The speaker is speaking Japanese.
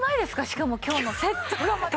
しかも今日のセットがまた。